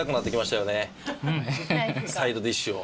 サイドディッシュを。